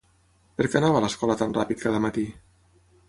Per què anava a l'escola tan ràpid cada matí?